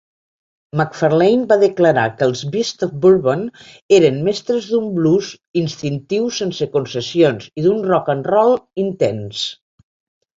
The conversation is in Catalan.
McFarlane va declarar que els Beasts of Bourborn eren "mestres d'un blues instintiu sense concessions i d'un rock'n'roll intens".